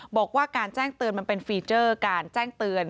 บอกว่าการแจ้งเตือนมันเป็นฟีเจอร์การแจ้งเตือน